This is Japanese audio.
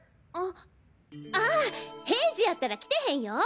ああ平次やったら来てへんよ。